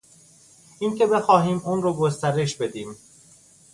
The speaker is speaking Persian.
اینکه بخواهیم اون رو گسترش بدیم